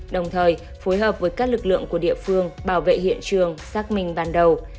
đồng thời phối hợp với các lực lượng của địa phương bảo vệ hiện trường xác minh ban đầu